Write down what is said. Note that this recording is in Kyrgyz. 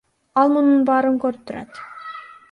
Ал мунун баарын көрүп турат.